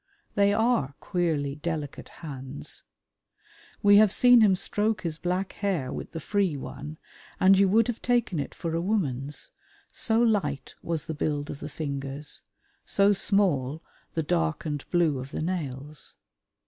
They are queerly delicate hands. We have seen him stroke his black hair with the free one, and you would have taken it for a woman's, so light was the build of the fingers, so small the darkened blue of the nails.